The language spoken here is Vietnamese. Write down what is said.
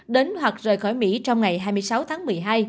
đến hoặc rời khỏi mỹ trong ngày hai mươi sáu tháng một mươi hai